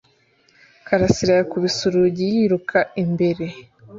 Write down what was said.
Karasira yakubise urugi yiruka imbere